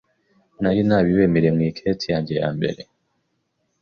nari nabibemereye mu iketi yanjye yambere